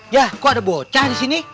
ya kok ada bocah di sini